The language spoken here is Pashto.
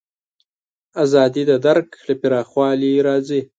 ازادي د درک له پراخوالي راځي.